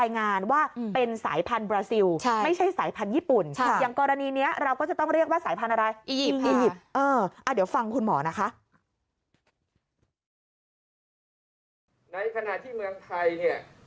ในขณะที่เมืองไทย